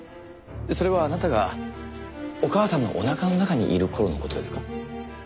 それはあなたがお母さんのおなかの中にいる頃の事ですか？